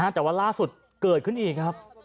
แต่ว่าล่าสุดเกิดขึ้นอีกครับ